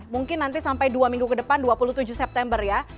mungkin nanti sampai dua minggu ke depan dua puluh tujuh september ya